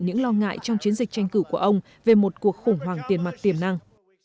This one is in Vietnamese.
những lo ngại trong chiến dịch tranh cử của ông về một cuộc khủng hoảng tiền mặt tiềm năng